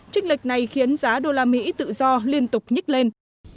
trích lệch này khiến giá đô la mỹ tự do liên tục nhích lên